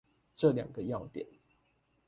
這兩個要點